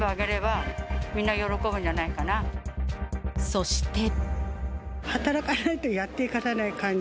そして。